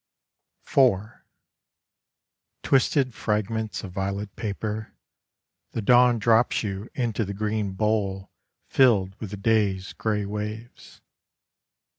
IV Twisted fragments of violet paper, The dawn drops you Into the green bowl filled with the day's grey waves.